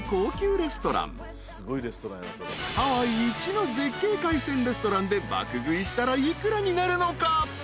［ハワイいちの絶景海鮮レストランで爆食いしたら幾らになるのか？］